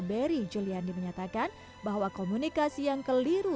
beri juliandi menyatakan bahwa komunikasi yang keliru